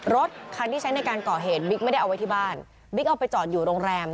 รถคันที่ใช้ในการก่อเหตุบิ๊กไม่ได้เอาไว้ที่บ้านบิ๊กเอาไปจอดอยู่โรงแรม